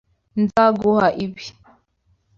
Nzaguha ibi.